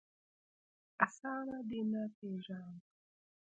اسامه دي نه پېژاند